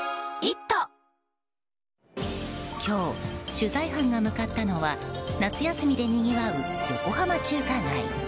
今日、取材班が向かったのは夏休みでにぎわう横浜中華街。